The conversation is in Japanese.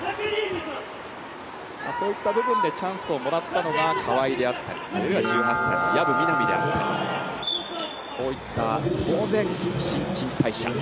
そういった部分でチャンスをもらったのが川井であったりあるいは１８歳の薮未奈海であったりそういった、新陳代謝。